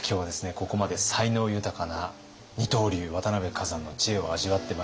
ここまで才能豊かな二刀流渡辺崋山の知恵を味わってまいりました。